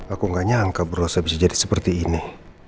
aku gak nyangka berosa bisa jadi seperti ini